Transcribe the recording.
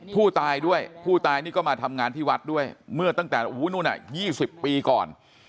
ผู้ตายด้วยผู้ตายนี่ก็มาทำงานที่วัดด้วยเมื่อตั้งแต่๒๐ปีก่อน